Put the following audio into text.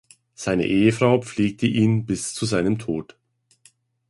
Seine Ehefrau pflegte ihn bis zu seinem Tod.